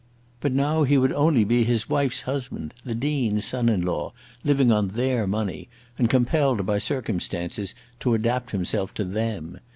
But now he would only be his wife's husband, the Dean's son in law, living on their money, and compelled by circumstances to adapt himself to them.